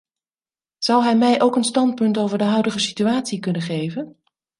Zou hij mij ook een standpunt over de huidige situatie kunnen geven?